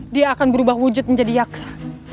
dia akan berubah wujud menjadi yaksa